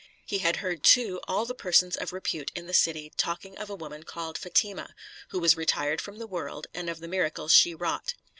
He had heard, too, all the persons of repute in the city talking of a woman called Fatima, who was retired from the world, and of the miracles she wrought.